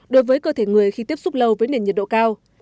đối với cơ thể người khi tiếp xúc lâu với nền nhiệt độ cao